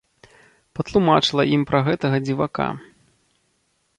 Патлумачыла ім пра гэтага дзівака.